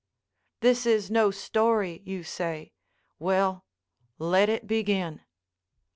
This is no story, you say; well, let it begin.